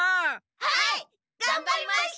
はいがんばりました！